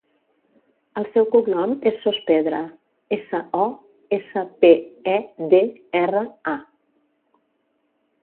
El seu cognom és Sospedra: essa, o, essa, pe, e, de, erra, a.